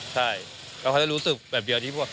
ใช่ก็ผ่านให้รู้สึกแบบเดียวว่า